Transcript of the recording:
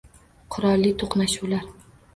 Qurolli toʻqnashuvlar